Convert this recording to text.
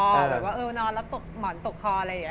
หรือว่าเออนอนแล้วหมอนตกคออะไรอย่างเงี้ย